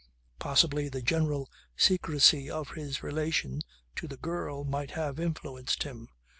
Possibly the general secrecy of his relation to the girl might have influenced him.